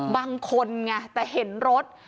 บางคนไงแต่เห็นรถ